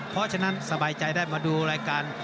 เพราะฉะนั้นสบายใจได้มาดูรายการ